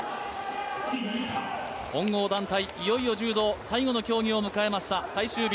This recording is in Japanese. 混合団体、いよいよ柔道、最後の競技を迎えました最終日。